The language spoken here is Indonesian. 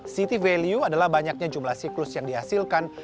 city value adalah banyaknya jumlah siklus yang dihasilkan